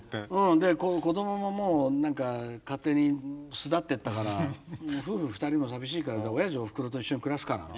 で子どもももう何か勝手に巣立ってったから夫婦２人も寂しいからおやじおふくろと一緒に暮らすかなんて。